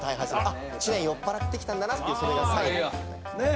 「あ知念酔っぱらってきたんだな」っていうそれがサインですね。